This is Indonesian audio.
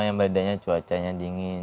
yang badannya cuacanya dingin